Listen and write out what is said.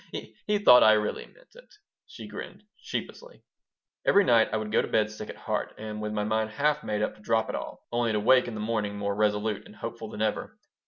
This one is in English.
He thought I really meant it," she grinned, sheepishly Every night I would go to bed sick at heart and with my mind half made up to drop it all, only to wake in the morning more resolute and hopeful than ever.